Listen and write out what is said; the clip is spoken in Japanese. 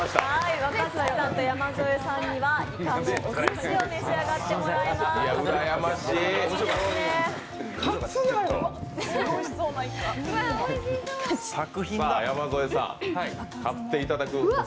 若槻さんと山添さんにはいかのおすしを召し上がっていただきます。